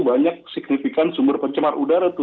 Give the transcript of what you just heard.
banyak signifikan sumber pencemar udara tuh